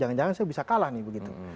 jangan jangan saya bisa kalah nih begitu